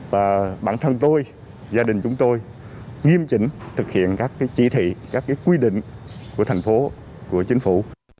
và bản thân tôi gia đình chúng tôi nghiêm chỉnh thực hiện các chỉ thị các cái quy định của thành phố của chính phủ